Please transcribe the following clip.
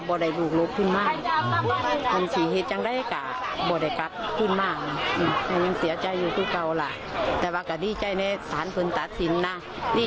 คดีนี้ถือว่าเป็นอีกหนึ่งคดีคาตกรรมที่โด่งดังเมื่อปีสองพันห้าร้อยหกสิบ